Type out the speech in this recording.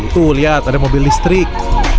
tuh lihat ada mobil listrik